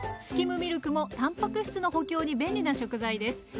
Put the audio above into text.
スキムミルクもたんぱく質の補強に便利な食材です。